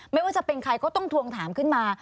ไม่ว่าจะเป็นใครก็ต้องทวงถามขึ้นมา